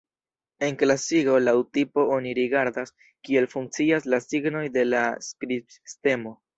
En klasigo laŭ tipo oni rigardas, kiel funkcias la signoj de la skribsistemo.